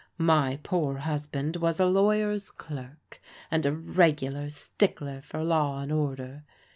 My poor husband was a lawyer's clerk, and a regular stickler for law and order.